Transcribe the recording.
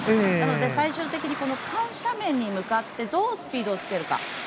なので、最終的に緩斜面に向けてどうスピードをつけるか。